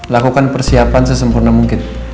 lakukan persiapan sesempurna mungkin